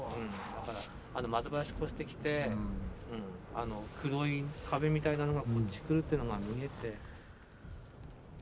だからあの松林越してきてあの黒い壁みたいなのがこっち来るっていうのが見えて。